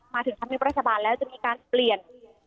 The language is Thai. มาถึงทางนิปราชบาลแล้วจะมีการเปลี่ยน